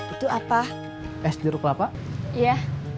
itu apa es jeruk kelapa